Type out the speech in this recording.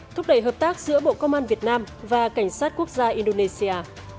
thúc đẩy hợp tác giữa bộ công an việt nam và cảnh sát quốc gia indonesia